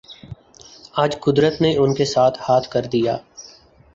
آج قدرت نے ان کے ساتھ ہاتھ کر دیا۔